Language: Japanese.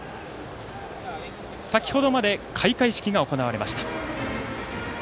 先程まで開会式が行われました。